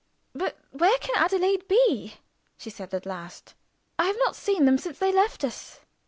"But where can Adelaide be?" she said, at last. "I have not seen them since they left us."